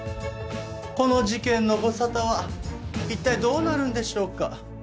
この事件の御沙汰は一体どうなるんでしょうか？